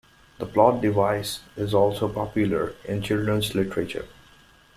The plot device is also popular in children's literature.